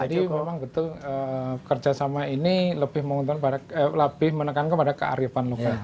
jadi memang betul kerjasama ini lebih menekankan pada kearifan lokal